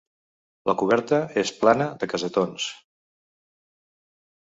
La coberta és plana, de cassetons.